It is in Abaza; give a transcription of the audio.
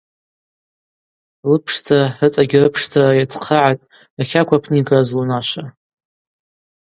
Лыпшдзара рыцӏагьи йрыпшдзара йацхърыгӏатӏ ахакв апны йгаз лунашва.